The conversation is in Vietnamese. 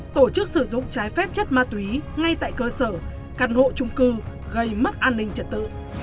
tổ chức sử dụng trái phép chất ma túy ngay tại cơ sở căn hộ trung cư gây mất an ninh trật tự